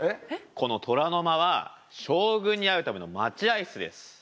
この虎の間は将軍に会うための待合室です。